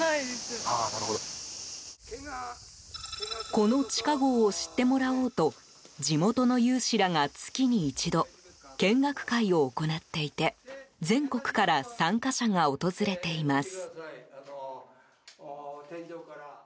この地下壕を知ってもらおうと地元の有志らが月に１度、見学会を行っていて全国から参加者が訪れています。